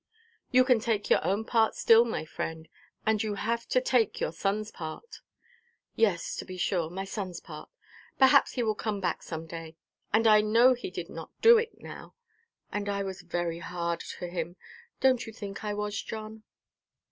"You can take your own part still, my friend. And you have to take your sonʼs part." "Yes, to be sure, my sonʼs part. Perhaps he will come back some day. And I know he did not do it, now; and I was very hard to him—donʼt you think I was, John?